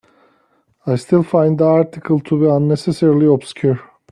I still find the article to be unnecessarily obscure.